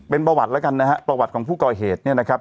เป็นประวัติแล้วกันนะฮะประวัติของผู้ก่อเหตุเนี่ยนะครับ